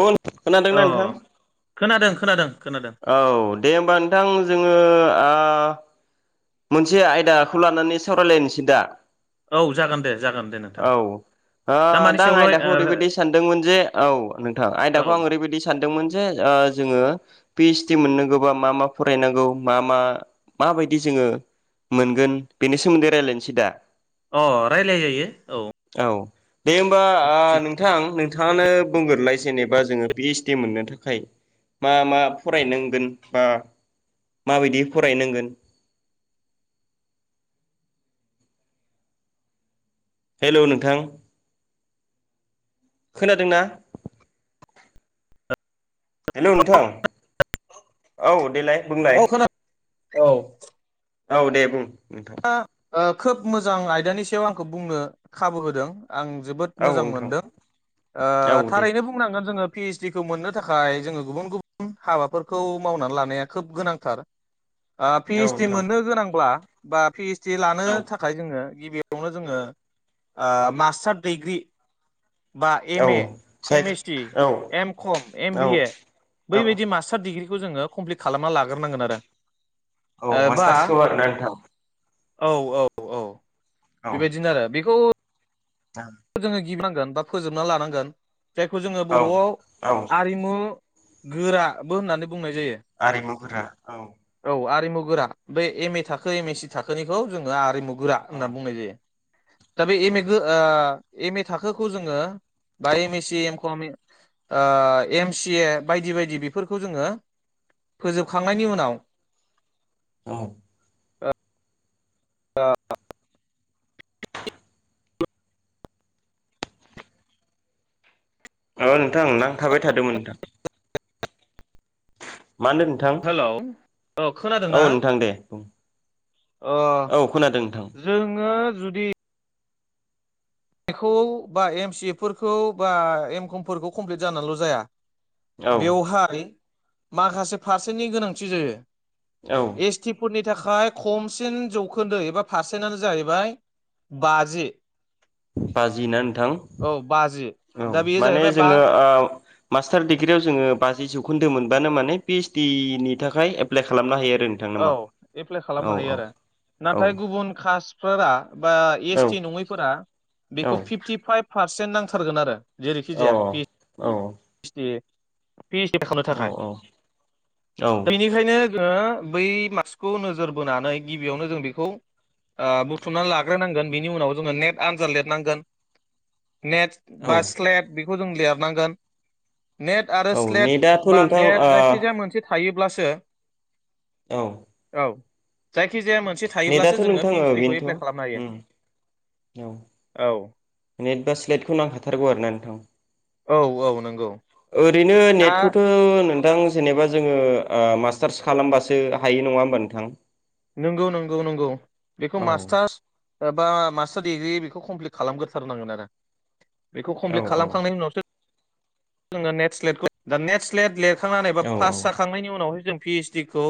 औ औ खोनादोंना नोंथां खोनादों खोनादों खोनादों औ दे होमबा नोंथां जोङो आ मोनसे आयदाखौ लानानै सावरायलायनोसै दा औ जागोन दे जागोन दे नोंथां आ मानि दा आं सायावलाय आयदाखौ ओरैबायदि सानदोंमोन जे औ नोंथां आयदाखौ ओ आं ओरैबायदि सानदोंमोन जे ओ जोङो पिसडि मोननांगौबा मा-मा फरायनांगौ मा-मा माबायदि जोङो मोनगोन बेनि सोमोन्दै रायजलायनोसै दा अ रायलाय जायो औ दे होमबा आ थिग नोंथां नोंथाङानो बुंग्रोलाय जेनेबा जोङो पिओइसडि मोननो थाखाय मा मा फरायनांगोन बा माबायदि फरायनांगोन हेल' नोंथां खोनादोंना? हेल' नोंथां औ देलाय बुंलाय औ खोनादों औ औ दे बुं नोंथां दा ओ खोब मोजां आयदानि सायाव आंखो बुंनो खाबु होदों आं जोबोद औ मोजां नोंथां मोनदों ओ औ दे थारैनो बुंनांगोन जोङो पिओइसडि खौ मोननो थाखाय जोङो गुबुन गुबुन हाबाफोरखौ मावनानै लानाया खोब गोनांथार ओ औ पिओइस दि नोंथां मोननो गोनांब्ला बा पिओइस दि लानो औ थाखाय जोङो गिबियावनो जोङो आ मास्टार डिग्रि बा औ एम ए, साय एम एस सि, औ एम कम, एम औ बि ए औ बैबायदि मास्टार डिग्रिखौ जोङो कमप्लिट खालामना लाग्रोनांगोन आरो औ ओ बा मासटारसखौ आरोना नोंथां औ औ औ औ बेबायदिनो आरो बेखौ जोङो गिबि नांगोन बा फोजोबना लानांगोन जायखौ जोङो औ बर'आव औ आरिमु गोराबो होननानै बुंनाय जायो आरिमुगोरा औ औ आरिमु गोरा बे एम ए थाखो एम ए सि थाखोनिखौ जोङो आरिमु गोरा औ होनना बुंनाय जायो दा बे औ एम ए गो ओ एम ए थाखोखौ जोङो बा एम एस सि एम कमि ओ एम सि ए बायदि बायदि बेफोरखौ जोङो [inaudible] फोजोबखांनायनि औ उनाव ओ औ नोंथां नांथाबाय थादोंमोन नोंथां मा होनदों नोंथां हेलौ औ खोनादों ना औ नोंथां दे बुं ओ औ खोनादों नोंथां जोङो जुदि बेखौ बा एम सि ए फोरखौ बा एमकमफोरखौ कमप्लिट जानानैल' जाया औ बेवहाय माखासे फारसेन्टनि गोनांथि जायो औ एस टिफोरनि थाखाय खमसिन जौखोन्दो एबा पारसेन्टआनो जाहैबाय बाजि बाजि ना नोंथां औ बाजि औ दा बेयो माने जाहैबाय बा जोङो ओ मास्टार डिग्रियाव जोङो बाजि जौखोन्दो मोनबानो माने पिओइसडि निनि थाखाय एप्लाइ खालामनो हायो आरो नोंथां औ नामा? एप्लाइ औ खालामनो हायो औ आरो औ नाथाय गुबुन कास्ट फोरा बा औ एस टि नङैफोरा बेखौ फिफ्टि फाइभ पारसेन्ट नांथारगोन आरो। जेरैखि औ जाया औ। [inaudible] औ बेनिखायनो ओ बै मार्कस खौ नोजोर बोनानै गिबियावनो जों बेखौ ओ बुथुमनानै लाग्रोनांगोन बिनि उनाव जोङो नेट आनजाद लेरनांगोन। नेट औ बा स्लेत बेखौ जों लिरनांगोन। नेट आरो औ स्लेट नेटआथ' बा नोंथां नेट जायखिजाया ओ मोनसे थायोब्लासो औ। औ जायखि जाया मोनसे थायोब्लासो नेटआथ' जोङो नोंथां पि ओ एस डि खौ एप्लाइ बेनोथ' खालामनो हायो। उम औ औ नेतबा स्लेटखौ नांखाथारगौ आरो ना नोंथां? औ औ नंगौ। ओरैनो दा नेटखौथ' नोंथां जेनेबा जोङो ओ मास्टार्स खालामबासो हायो नङा होमबा नोंथां? नोंगौ नोंगौ नोंगौ बेखौ औ मास्टार्स एबा मास्टार डिग्रि बेखौ कमप्लिट खालामग्रोथारनांगोन आरो बेखौ औ कमप्लिट औ खालामखांनायनि उनावसो जोङो नेट स्लेटखौ दा नेट स्लेट लिरखांनानै बा औ पास जाखांनायनि उनावहाय जों पि एस डि खौ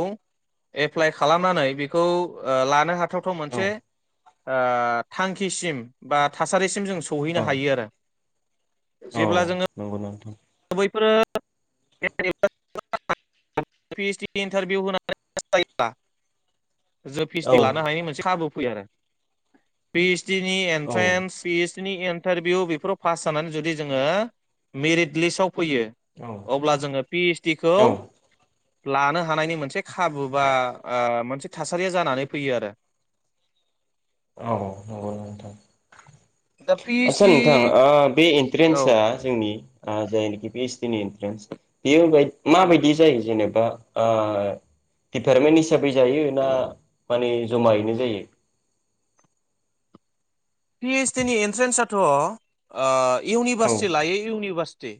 एप्लाइ खालामनानै बेखौ ओ लानो हा थावथाव औ औ मोनसे आ थांखिसिम बा थासारिसिम जों सहैनो औ हायो आरो। औ जेब्ला जोङो नंगौ नोंथां बैफोरो [inaudible] पि एस डि इन्टारभिव होनानै पास जायोबा जों पि औ एस डि लानो हानायनि मोनसे खाबु फैयो आरो पि एस डि नि औ एन्ट्रेन्स फिस नि इनतारभिउ बेफोराव पास जानानै जुदि जोंङो मेरित लिस्त आव फैयो औ अब्ला जोङो पि एस डि खौ औ लानो हानायनि मोनसे खाबु बा ओ मोनसे थासारिया जानानै फैयो आरो। औ नंगौ नोंथां। दा पि ओइस आस्सा डि नोंथां आ बे औ एन्ट्रेन्सआ जोंनि ओ जायनोखि पि एस डि नि एन्ट्रेन्स बेयो माबायदि पि जायो जेने बा आ डिपार्टमेन्ट हिसाबै जायो ना माने जमायैनो जायो? पि एस डि नि एनट्रेन्साथ' ओ औ इउनिभारसिटि लायै इउनिभारसिटि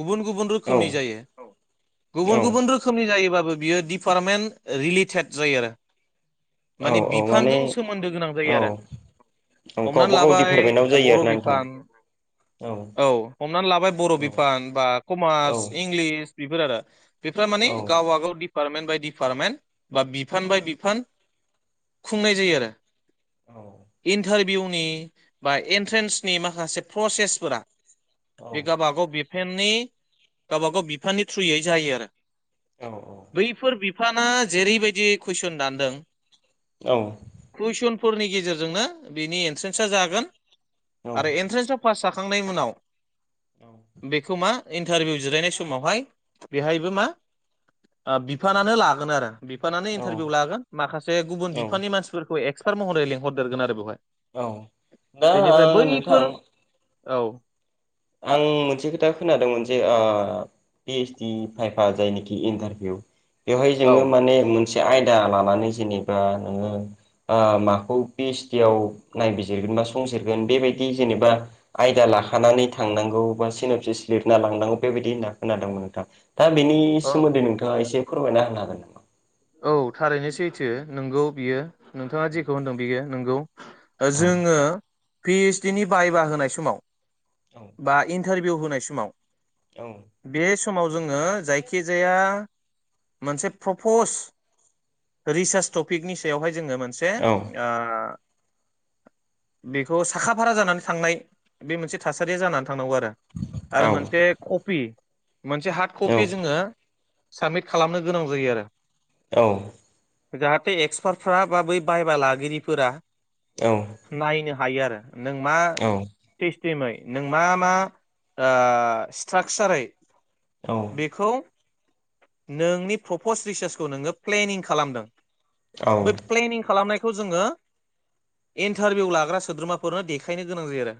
गुबुन गुबुन औ रोखोमनि जायो औ गुबुन गुबुन रोखोमनि जायोबा बो बियो डिपार्टमेन रिलेटेड जायो आरो। औ माने माने बिफानजों सोमोन्दो गोनां औ जायो आरो। औ हमनानै गावबा गाव लाबाय डिपार्टमेन्टाव ओ जायो बर' आरोना नोंथां बिफान। औ हमनानै लाबाय बर' औ बिफान बा औ कमार्स इंलिस फोर आरो बेफोर औ माने गावबा गाव डिपार्टमेन्ट बाय डिपार्टमेन्ट बा बिफान औ बाय बिफान खुंनाय जायो आरो इन्टा रभ्युनि बा एनट्रेन्स नि माखासे प्रसेस फोरा बे गावबा गाव बि फेननि गावब गाव बिफाननि थ्रुयै जायो आरो औ बैफोर बि फाना जेरैबायदि कुइसन दानदों औ। फोरनि गेजेरजोंनो बिनि एन्ट्रेन्सा जागोन आरो एन्ट्रेन्साव पास जा खांनाय उनाव बेखौ मा इन्टारभिउ जिरायनाय समावहाय बेहायबो मा ओ बिफानानो लागोन आरो। बिफानानो औ इन्टारभिउ लागोन माखासे गुबुन औ बिफाननि मानसिफोरखौ एक्सपार्ट महरै लेंहरदेरगोन आरो बेवहाय औ दा ओ बेनिफ्राय बैफोर नोंथां औ। आं मोनसे खोथा खोनादोंमोन जे आ पि ओइस डि खायफा जायनिखि इन्टारभिउ बेवहाय औ जोङो माने मोनसे आयदा लानानै जेनेबा नोङो ओ मा माखौ पिएसडीआव नायबिजिरगोन संजिरगोन बेबायदि जेनेबा आयदा लाखानानै थांनांगौ बा सिनबसिस लिरना लांनांगौ बेबायदि होनना खोनादोंमोन नोंथां दा बेनि औ सोमोन्दै नोंथाङा एसे फोरमायना होनो हागोन नामा? औ थारैनो सैथो नोंगौ बियो नोंथाङा जेखौ होनदों बियो नोंगौ औ जोङो पिओइसडि नि बायबा होनाय समाव औ बा इन इन्टारभिउ होनाय समाव बे समाव जोङो जायखिजाया मोनसे प्रपस रिसार्च टपिकनि सायावहाय जोङो मोनसे औ ओ बेखौ साखा फारा जानानै थांनाय बे मोनसे थासारिया जानानै थानांगौ आरो आरो औ मोनसे कपि मोनसे हार्ड औ कपि जोङो साबमिट खालामनो गोनां जायो आरो औ जाहाथे एक्सपार्टफ्रा बा बै बयबा लागिरिफोरा औ नायनो हायो आरो नों मा औ सिमै नों मा मा ओ स्ट्राकचारै बेखौ नोंनि प्रपस रिसार्चखौ नोङो प्लेनिं खालामदों औ बे प्लेनिं खालामनाय खौ जोङो इन्टारभिउ लाग्रा सोद्रोमाफोरनो देखायनो गोनां जायो आरो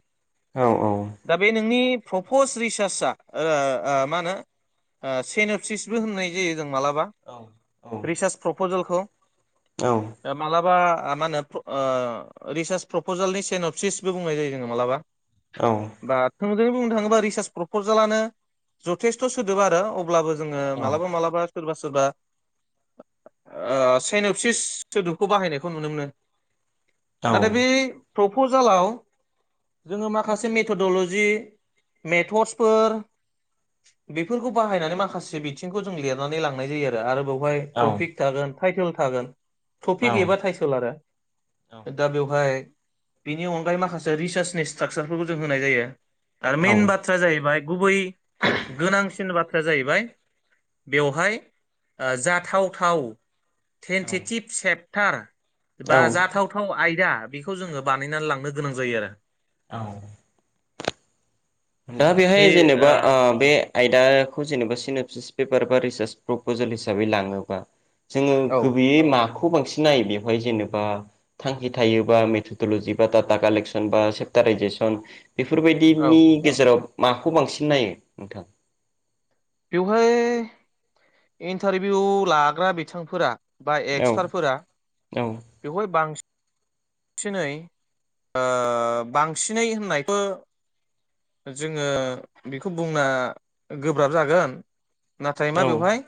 औ औ दा बे नोंनि प्रपस रिसार्चआ ओ ओ मा ओ होनो सेनपसिसबो होननाय जायो। जों मालाबा रिसार्च प्रपेलखौ मालाबा ओ मा होनो ओ रिसार्च प्रपजेलनि सेन अफसिसबो बुंनाय जायो जोङो मालाबा औ बा जों बुंनो थाङोब्ला रिसार्च प्रपजालानो जथेस्थ' सोदोब आरो अब्लाबो जोङो मालाबा मालाबा सोरबा सोरबा ओ सेनपसिस सोदोबखौ बाहायनायखौ नुनो मोनो नाथाय बे प्रपजालाव जोङो माखासे मेथडलजि मेथडसफोर बेफोरखौ बाहायनानै माखासे बिथिंखौ जों लिरनानै लांनाय जायो आरो बावहाय टपिक थागोन टाइटेल थागोन टफि एबा टाइटेल आरो दा बेवहाय बेनि अनगायै माखासे रिसार्चनि स्ट्राकसारफोरखौ जों होनाय जायो। आरो मइेन बाथ्राया जाहैबाय गुबै गोनांसिन बाथ्रा या जाहैबाय बेवहाय जाथावथाव टन्टेटिभ सेपटार बा जाथावथाव आयदा दा बेखौ जोङो बानायनानै लांनो गोनां जायो आरो। औ दा बे बेहाय जेनेबा ओ बे आयदाखौ जेनेबा सिनेपसिस पेपार बा रिसार्च प्रपजेल हिसाबै लाङोबा जोङो ओ औ गुबैयै मा खौ बांसिन नायो बेवहाय जेनेबा थांखि थायोबा मेथडल'जि बा डाटा कालेकसन बा सेपटारायजेसन औ बेफोरबायदिनि गेजेराव माखौ बांसिन नायो नोंथां बेवहाय इन्टारभिउ लाग्रा बिथांफोरा बा औ एक्सपार्टफोरा औ बेवहाय बांसिन सिनै बांसिनै होननायखौ जोङो बेखौ बुंना गोब्राब जागोन नाथाय मा औ बेवहाय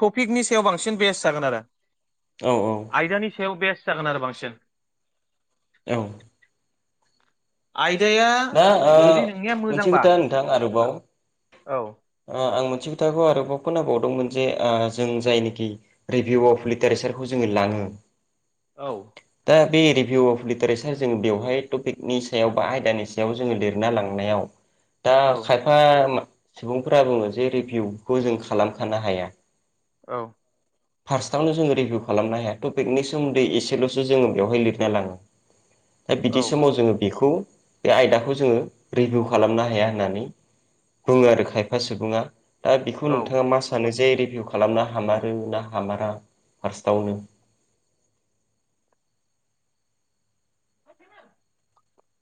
टपिकनि सायाव बांसिन बेस जागोन आरो। औ आयदानि सायाव बेस जागोन आरो बांसिन। औ। आइ दा ओ मोनसे खोथा नोंथां आरोबाव औ ओ आं मोनसे खोथाखौ आरोबाव खोनाबावदोंमोन जे जों जायनिखि रिभिउ अफ लिटारेसारखौ जोंङो लांङो उम। औ। बे रिभिउ अफ लिटारेसार जों बेवहाय टपिकनि सायाव बा आयदानि सायाव याव जोंङो लिरना लांनायाव दा औ खायफा सुबुंफोरा बुंङो जे रिभिउखौ जों खालामखानो हाया। औ। फार्स्टआवनो जोंङो रिभिउ खालामनो हाया टपिकनि सोमोन्दै एसेल'सो जोंङो बेवहाय लिरना लांङो। दा औ बिदि समाव जोंङो बेखौ बे आयदाखौ जोंङो रिभिउ खालामनो हाया होननानै बुंङो आरो खायफा सुबुंङा दा बेखौ औ नोंथांङा मा सानो? जे रिभिउ खालामना हामारो ना हामारा फार्स्टआवनो [inaudible]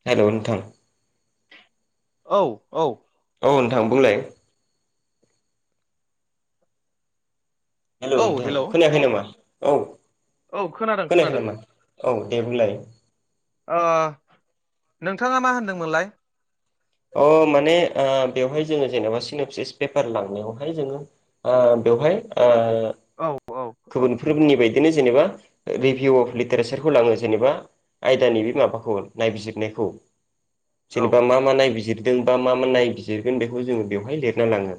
हेल' नोंथां। औ औ। औ नोंथां बुंलाय हेल' नोंथां खोनायाखै नामा औ? औ खोनादों खोनायाखै खोनादों। नामा औ दे बुंलाय ओ नोंथांङा मा होनदोंमोनलाय? अ माने ओ बेवहाय जोंङो जेनेबा सिन'सिस पेपार लांनायावहाय जोंङो ओ बेवहाय ओ औ औ गुबुनफोरनि बायदि बिदिनो जेनेबा रिभिउ अफ लिटारेसारखौ लांङो जेनेबा आयदानि बे माबाखौ नायबिजिरनायखौ जेनेबा मा मा नायबिजिरदों बा मा मा नायबिजिरगोन बेखौ जोंङो बेवहाय लिरना लांङो।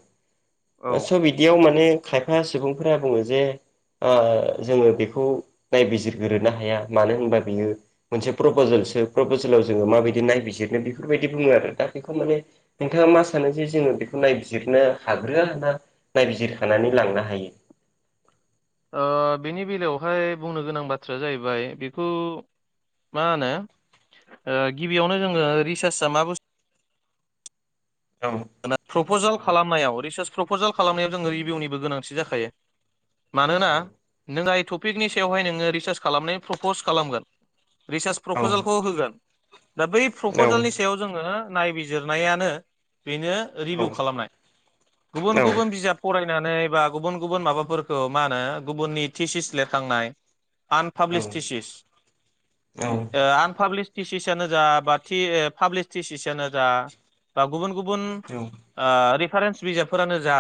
औ ओ स' बिदियाव माने खायफा सुबुंफोरा बुंङो जे ओ जोंङो बेखौ नायबिजिरग्रोनो हाया मानो होनबा बियो मोनसे प्रपजेल प्रपजेलाव जोंङो माबायदि नायबिजिरनो बेफोरबायदि बुंङो आरो दा बेखौ माने नोंथांङा मा सानो जे जोंङो बे नायबिजिरनो हाग्रोआ ना नायबिजिरखानानै लांनो हायो‌। ओ बेनि बेलायावहाय बुंनो गोनां बाथ्राया जाहैबाय बेखौ मा होनो ओ गिबियावनो जोंङो रिसार्चआ मा बुस्थु? औ प्रपजेल औ खालामनायाव रिसार्च प्रपजेल खालामनायाव जोंङो रिभिउनिबो गोनांथि जाखायो। मानोना नों आइ टपिकनि सायावहाय नोंङो रिसार्च खालामनाय प्रपस खालामगोन। रिसार्च प्रपजेलखौ होगोन दा बै औ प्रपजेलनि सायाव जोंङो नायबिजिरनायानो बेनो रिभिउ खालामनाय गुबुन औ गुबुन बिजाब फराय नायनानै बा गुबुन गुबुन माबाफोरखौ मा होनो गुबुननि तिसिस लिरखांनाय आनपाब्लिसटिसिस ओ आनपाब्लिस तिसिसानो जा बाथि ओ पाब्लिक तिसिसानो जा बा गुबुन गुबुन बुन औ ओ रिपारेन्स बिजाबफोरानो जा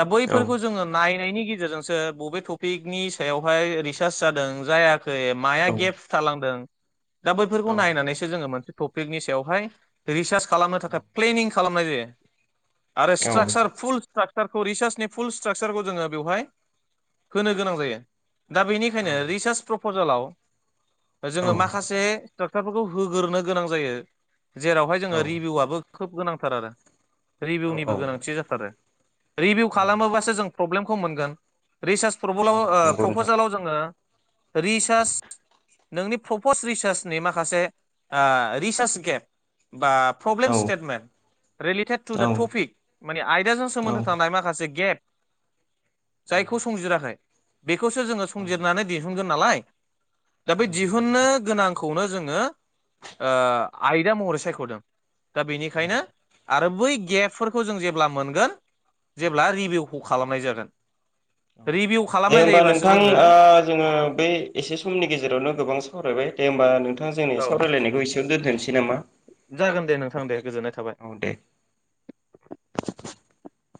दा बैफोरखौ जोंङो नाय नायनि गेजेरजोंसो बबे टपिकनि सायावहाय रिसार्च जादों जायाखै माया गेपस थालांदों दा औ बैफोरखौ नायनानैसो जोंङो मोनसे टपिकनि सायावहाय रिसार्च खालामनो थाखाय प्लेनिं खालामनाय जायो आरो स्ट्राकसार फुल स्ट्राकसार सार रिचार्चसनि फुल स्ट्राकचारखौ जोंङो बेवहाय होनो गोनां जायो दा बेनिखायनो रिसार्च प्रपजेलाव जोंङो माखासे सट्राक्टारफोरखौ होग्रो गोनां जायो जेरावहाय जोङो रिभिउआबो खोब गोनांथार आरो रिभिउनिबो औ गोनांथि जाथारो रिभिउ औ खालामोबासो जों प्रब्लेमखौ मोनगोन रिसार्च प्रब नंगौ नोंथां प्रपजेलाव जोङो रिसार्च नोंनि प्रपस रिसार्चनि माखासे ओ रिसार्च गेप बा औ प्रब्लेमस स्टेटमेन्ट रिलेटेड टु औ दा टपिक माने आयदाजों सोमोन्दो थानाय माखासे गेट औ जायखौ संजिराखै बेखौसो जोङो औ संजिरनानै दिहुनगोन नालाय दा बे नंगौ दिहुननो नोंथां गोनांखौनो जोङो ‌ओ आयदा महरै सायख'दों दा औ बेनिखायनो आरो बै गेपफोरखौ जों जेब्ला मोनगोन जेब्ला रिभिउखौ खालामनाय जागोन रिभिउ दे खालामनाय होमबा जायोबासो नोंथां जोङो ओ जोङो बै एसे समनि गेजेरावनो गोबां सावरायबाय दे होमबा नोंथ दा जोंनि औ सावरायलायनायखौ एसेयाव दोनथोंनोसै नामा जागोन दे नोंथां दे गोजोननाय औ दे थाबाय